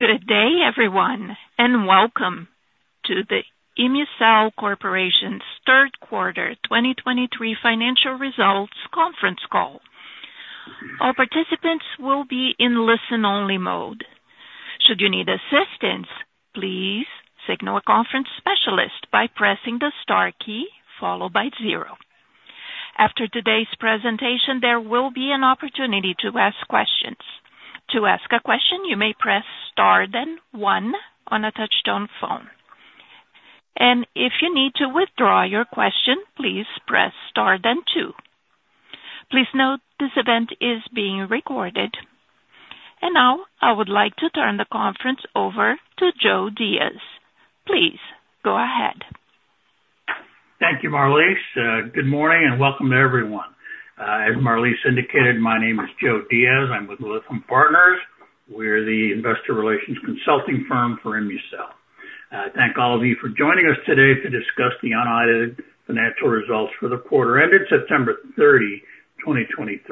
Good day, everyone, and welcome to the ImmuCell Corporation's third quarter 2023 financial results conference call. All participants will be in listen-only mode. Should you need assistance, please signal a conference specialist by pressing the star key followed by zero. After today's presentation, there will be an opportunity to ask questions. To ask a question, you may press star, then one on a touch-tone phone, and if you need to withdraw your question, please press star, then two. Please note this event is being recorded. Now, I would like to turn the conference over to Joe Diaz. Please go ahead. Thank you, Marliese. Good morning, and welcome, everyone. As Marliese indicated, my name is Joe Diaz. I'm with Lytham Partners. We're the investor relations consulting firm for ImmuCell. I thank all of you for joining us today to discuss the unaudited financial results for the quarter ended September 30, 2023.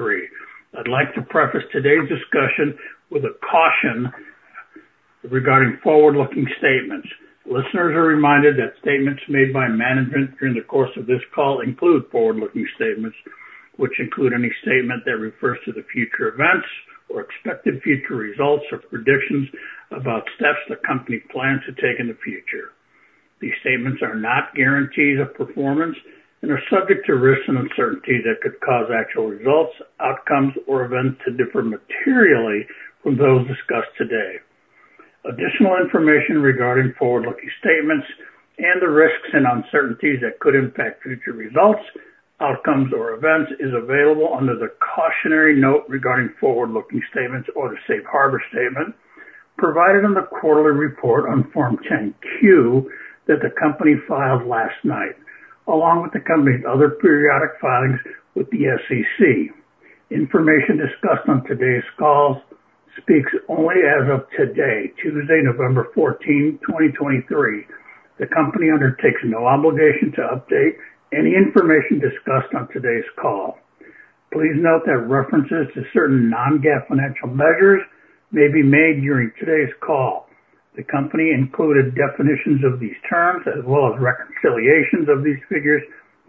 I'd like to preface today's discussion with a caution regarding forward-looking statements. Listeners are reminded that statements made by management during the course of this call include forward-looking statements, which include any statement that refers to the future events or expected future results, or predictions about steps the company plans to take in the future. These statements are not guarantees of performance and are subject to risks and uncertainty that could cause actual results, outcomes, or events to differ materially from those discussed today. Additional information regarding forward-looking statements and the risks and uncertainties that could impact future results, outcomes, or events is available under the cautionary note regarding forward-looking statements or the safe harbor statement provided in the quarterly report on Form 10-Q that the company filed last night, along with the company's other periodic filings with the SEC. Information discussed on today's call speaks only as of today, Tuesday, November 14, 2023. The company undertakes no obligation to update any information discussed on today's call. Please note that references to certain non-GAAP financial measures may be made during today's call. The company included definitions of these terms, as well as reconciliations of these figures,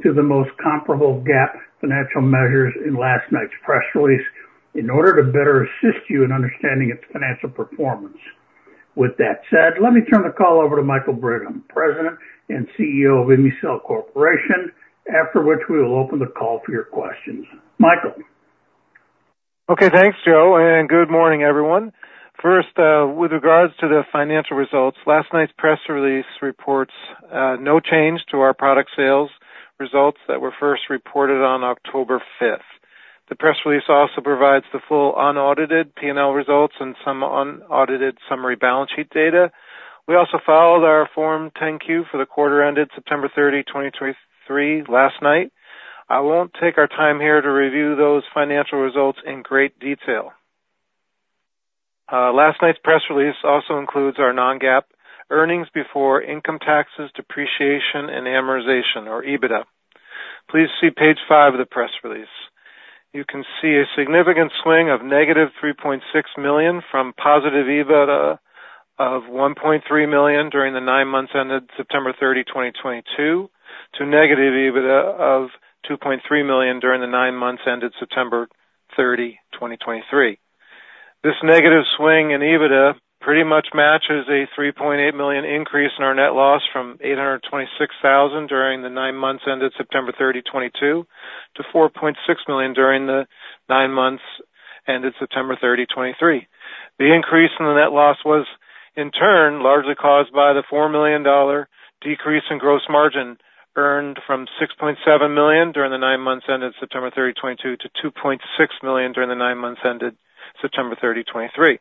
to the most comparable GAAP financial measures in last night's press release in order to better assist you in understanding its financial performance. With that said, let me turn the call over to Michael Brigham, President and CEO of ImmuCell Corporation, after which we will open the call for your questions. Michael? Okay, thanks, Joe, and good morning, everyone. First, with regards to the financial results, last night's press release reports no change to our product sales results that were first reported on October 5. The press release also provides the full unaudited P&L results and some unaudited summary balance sheet data. We also filed our Form 10-Q for the quarter ended September 30, 2023 last night. I won't take our time here to review those financial results in great detail. Last night's press release also includes our non-GAAP earnings before income taxes, depreciation, and amortization, or EBITDA. Please see page five of the press release. You can see a significant swing of -$3.6 million from positive EBITDA of $1.3 million during the nine months ended September 30, 2022, to negative EBITDA of $2.3 million during the nine months ended September 30, 2023. This negative swing in EBITDA pretty much matches a $3.8 million increase in our net loss from $826,000 during the nine months ended September 30, 2022, to $4.6 million during the nine months ended September 30, 2023. The increase in the net loss was in turn largely caused by the $4 million decrease in gross margin, earned from $6.7 million during the nine months ended September 30, 2022, to $2.6 million during the nine months ended September 30, 2023.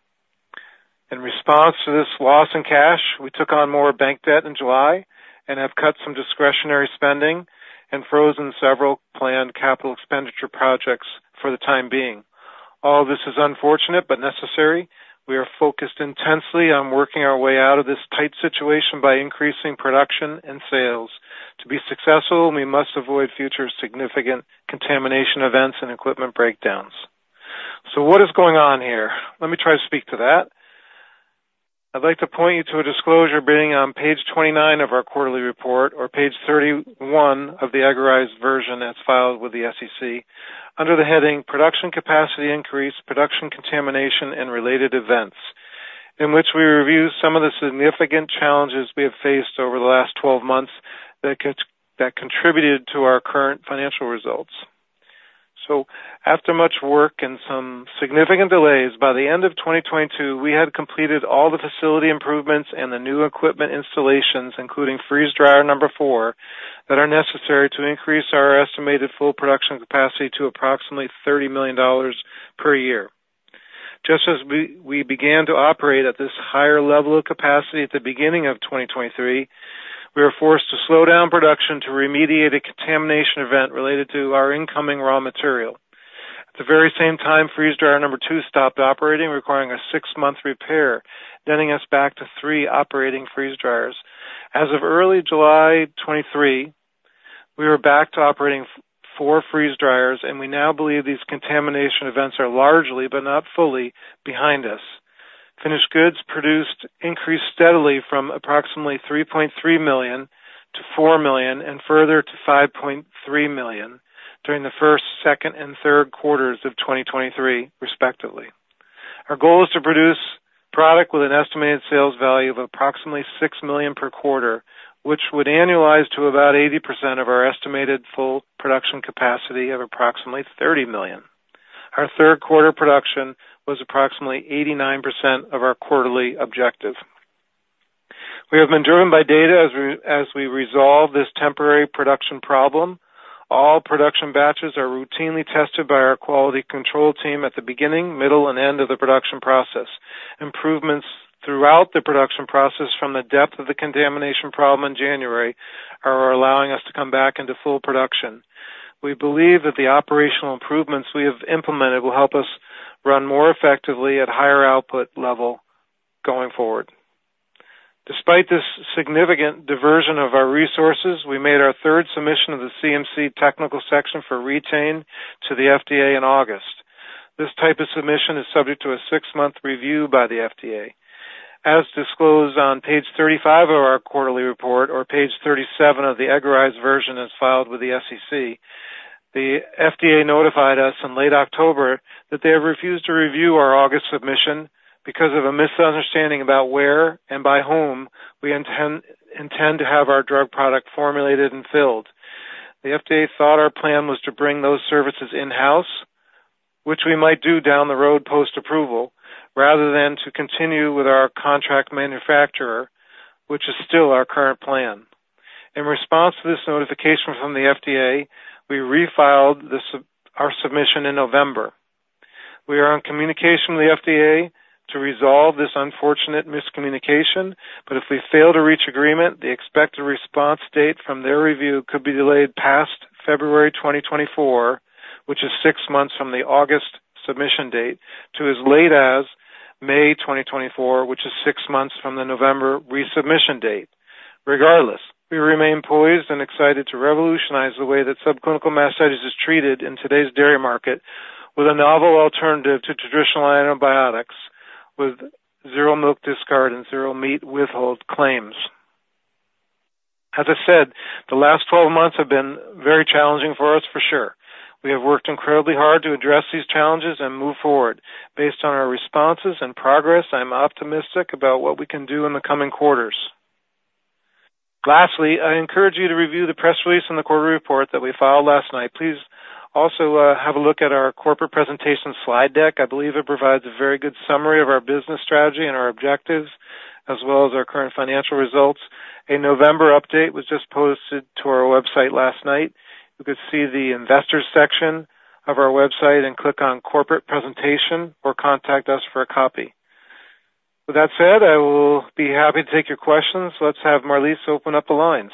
In response to this loss in cash, we took on more bank debt in July and have cut some discretionary spending and frozen several planned capital expenditure projects for the time being. All this is unfortunate but necessary. We are focused intensely on working our way out of this tight situation by increasing production and sales. To be successful, we must avoid future significant contamination events and equipment breakdowns. So what is going on here? Let me try to speak to that. I'd like to point you to a disclosure being on page 29 of our quarterly report, or page 31 of the EDGARized version that's filed with the SEC, under the heading Production Capacity Increase, Production Contamination, and Related Events, in which we review some of the significant challenges we have faced over the last 12 months that contributed to our current financial results. So after much work and some significant delays, by the end of 2022, we had completed all the facility improvements and the new equipment installations, including freeze dryer number 4, that are necessary to increase our estimated full production capacity to approximately $30 million per year. Just as we began to operate at this higher level of capacity at the beginning of 2023, we were forced to slow down production to remediate a contamination event related to our incoming raw material. At the very same time, freeze dryer number 2 stopped operating, requiring a six-month repair, getting us back to three operating freeze dryers. As of early July 2023... We are back to operating four freeze dryers, and we now believe these contamination events are largely, but not fully, behind us. Finished goods produced increased steadily from approximately 3.3 million to 4 million and further to 5.3 million during the first, second, and third quarters of 2023, respectively. Our goal is to produce product with an estimated sales value of approximately $6 million per quarter, which would annualize to about 80% of our estimated full production capacity of approximately $30 million. Our third quarter production was approximately 89% of our quarterly objective. We have been driven by data as we resolve this temporary production problem. All production batches are routinely tested by our quality control team at the beginning, middle, and end of the production process. Improvements throughout the production process from the depth of the contamination problem in January are allowing us to come back into full production. We believe that the operational improvements we have implemented will help us run more effectively at higher output level going forward. Despite this significant diversion of our resources, we made our third submission of the CMC technical section for Re-Tain to the FDA in August. This type of submission is subject to a six-month review by the FDA. As disclosed on page 35 of our quarterly report, or page 37 of the EDGARized version, as filed with the SEC, the FDA notified us in late October that they have refused to review our August submission because of a misunderstanding about where and by whom we intend, intend to have our drug product formulated and filled. The FDA thought our plan was to bring those services in-house, which we might do down the road, post-approval, rather than to continue with our contract manufacturer, which is still our current plan. In response to this notification from the FDA, we refiled our submission in November. We are in communication with the FDA to resolve this unfortunate miscommunication, but if we fail to reach agreement, the expected response date from their review could be delayed past February 2024, which is six months from the August submission date, to as late as May 2024, which is six months from the November resubmission date. Regardless, we remain poised and excited to revolutionize the way that subclinical mastitis is treated in today's dairy market with a novel alternative to traditional antibiotics, with zero milk discard and zero meat withhold claims. As I said, the last 12 months have been very challenging for us, for sure. We have worked incredibly hard to address these challenges and move forward. Based on our responses and progress, I'm optimistic about what we can do in the coming quarters. Lastly, I encourage you to review the press release and the quarterly report that we filed last night. Please also have a look at our corporate presentation slide deck. I believe it provides a very good summary of our business strategy and our objectives, as well as our current financial results. A November update was just posted to our website last night. You could see the investor section of our website and click on Corporate Presentation or contact us for a copy. With that said, I will be happy to take your questions. Let's have Marliese open up the lines.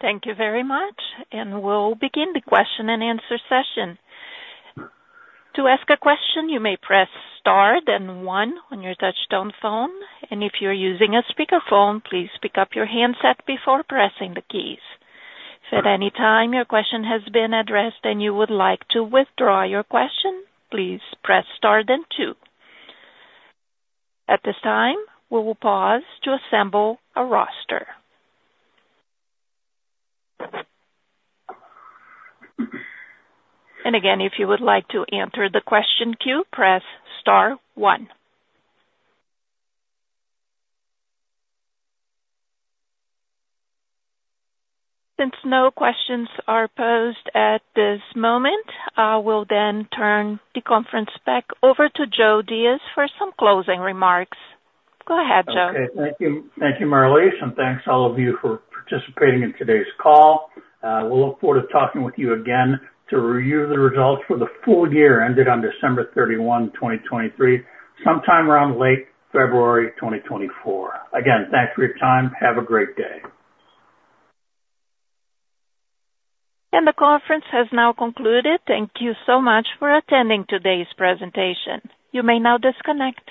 Thank you very much, and we'll begin the question-and-answer session. To ask a question, you may press star then one on your touch-tone phone, and if you're using a speakerphone, please pick up your handset before pressing the keys. If at any time your question has been addressed and you would like to withdraw your question, please press star then two. At this time, we will pause to assemble a roster. And again, if you would like to enter the question queue, press star one. Since no questions are posed at this moment, I will then turn the conference back over to Joe Diaz for some closing remarks. Go ahead, Joe. Okay, thank you. Thank you, Marliese, and thanks all of you for participating in today's call. We'll look forward to talking with you again to review the results for the full year ended on December 31, 2023, sometime around late February 2024. Again, thanks for your time. Have a great day. The conference has now concluded. Thank you so much for attending today's presentation. You may now disconnect.